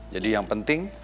jadi yang penting